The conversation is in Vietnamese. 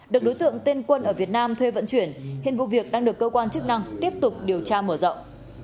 được đối tượng tên quân ở việt nam thuê vận chuyển hiện vụ việc đang được cơ quan chức năng tiếp tục điều tra mở rộng